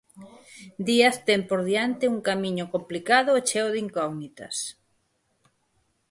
Díaz ten por diante un camiño complicado e cheo de incógnitas.